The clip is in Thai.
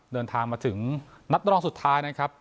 เดินทางมาถึงนัดรองสุดท้ายนะครับ